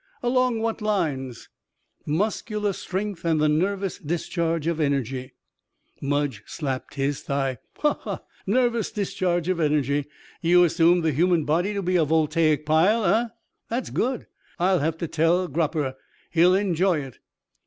"Along what lines?" "Muscular strength and the nervous discharge of energy." Mudge slapped his thigh. "Ho ho! Nervous discharge of energy. You assume the human body to be a voltaic pile, eh? That's good. I'll have to tell Gropper. He'll enjoy it."